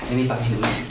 ini pak minumnya